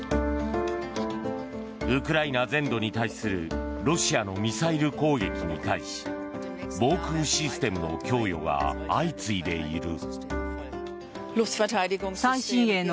ウクライナ全土に対するロシアのミサイル攻撃に対し防空システムの供与が相次いでいる。